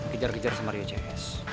kejar kejar sama rio cs